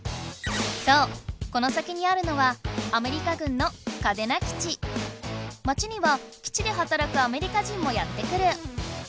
そうこの先にあるのはまちには基地ではたらくアメリカ人もやって来る。